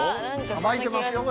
さばいてますよ